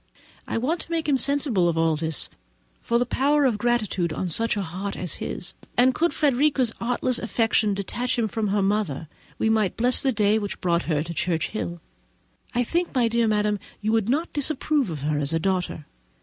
I want to make him sensible of all this, for we know the power of gratitude on such a heart as his; and could Frederica's artless affection detach him from her mother, we might bless the day which brought her to Churchhill. I think, my dear mother, you would not disapprove of her as a daughter.